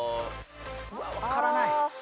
うわわからない。